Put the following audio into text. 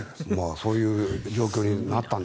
そういう状況になったんで。